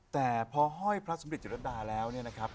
แต่พอห้อยพระสมเด็จจิตรดาแล้วเนี่ยนะครับ